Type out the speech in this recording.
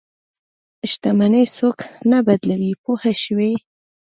شتمني څوک نه بدلوي پوه شوې!.